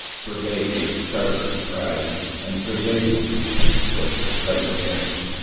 Brevet gave a start of surprise, and surveyed him from head to foot with a frightened air.